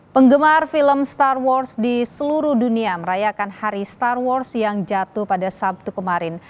penggemar film star wars di seluruh dunia merayakan hari star wars yang jatuh pada sabtu kemarin